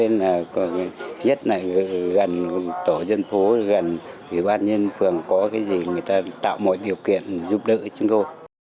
nhất là gần tổ dân phố gần ủy ban nhân phường có cái gì người ta tạo mọi điều kiện giúp đỡ chúng tôi